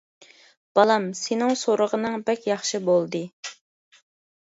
بالام، سېنىڭ سورىغىنىڭ بەك ياخشى بولدى.